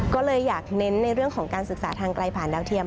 ก็เลยอยากเน้นในเรื่องของการศึกษาทางไกลผ่านดาวเทียม